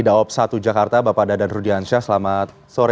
daob satu jakarta bapak dadan rudiansyah selamat sore